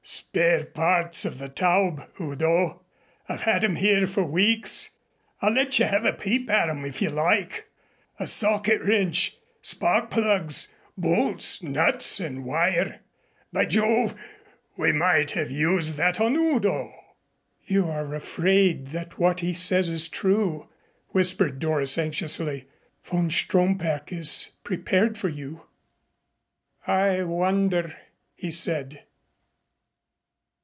"Spare parts of the Taube, Udo. I've had them here for weeks. I'll let you have a peep at 'em if you like. A socket wrench, spark plugs, bolts, nuts and wire by Jove we might have used that on Udo." "You are afraid that what he says is true," whispered Doris anxiously. "Von Stromberg is prepared for you." "I wonder," he said.